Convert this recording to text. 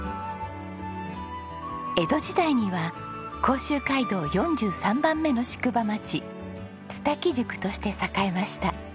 江戸時代には甲州街道４３番目の宿場町蔦木宿として栄えました。